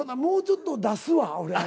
もうちょっと出すわ俺。